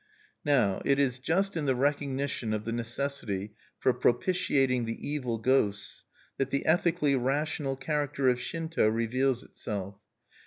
Now it is just in the recognition of the necessity for propitiating the evil ghosts that the ethically rational character of Shinto reveals itself.